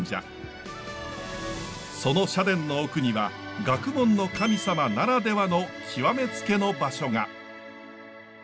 その社殿の奥には学問の神様ならではの極めつけの場所が。